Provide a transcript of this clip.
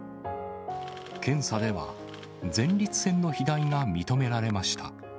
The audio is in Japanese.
検査では、前立腺の肥大が認められました。